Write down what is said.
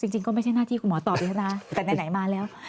จริงก็ไม่ใช่หน้าที่คุณหมอตอบแล้วนะแต่ไหนมาแล้ว